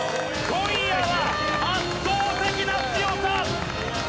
今夜は圧倒的な強さ！